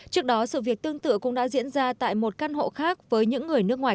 trước đó sự việc tương tự cũng đã diễn ra tại một căn hộ khác với những người nước ngoài